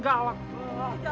gimana sih bu